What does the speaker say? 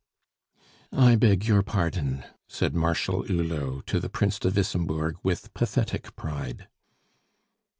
"I beg your pardon," said Marshal Hulot to the Prince de Wissembourg with pathetic pride.